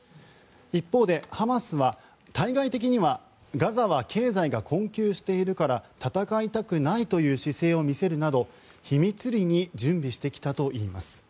一方で、ハマスは対外的にはガザは経済が困窮しているから戦いたくないという姿勢を見せるなど秘密裏に準備してきたといいます。